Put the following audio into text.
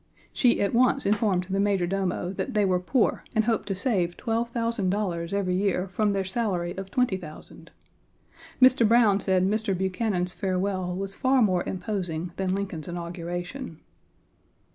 She at once informed the majordomo that they were poor and hoped to save twelve thousand dollars every year from their salary of twenty thousand. Mr. Browne said Mr. Buchanan's farewell was far more imposing than Lincoln's inauguration.